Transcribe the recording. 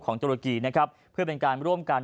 ตุรกีนะครับเพื่อเป็นการร่วมกัน